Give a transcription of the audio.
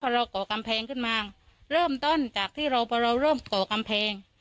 พอเราก่อกำแพงขึ้นมาเริ่มต้นจากที่เราพอเราเริ่มก่อกำแพง